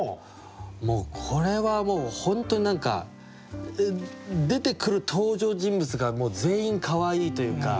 もうこれは本当に何か出てくる登場人物が全員かわいいというか。